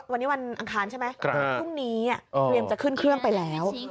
วันนี้วันอังคารใช่ไหมพรุ่งนี้เตรียมจะขึ้นเครื่องไปแล้ว